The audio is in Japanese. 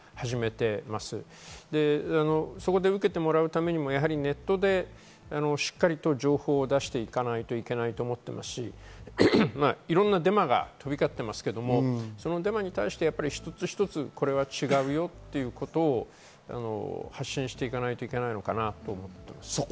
そこで受けてもらうためにもネットで情報を出していかないといけないと思ってますし、いろんなデマが飛び交っていますが、そのデマに対して一つ一つこれは違うということを発信していかなきゃいけないと思っています。